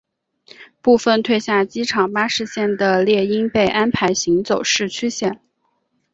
部份退下机场巴士线的猎鹰被安排行走市区线。